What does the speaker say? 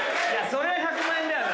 そりゃ１００万円だよね。